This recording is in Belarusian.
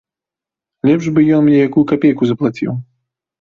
Лепш бы ён мне якую капейку заплаціў.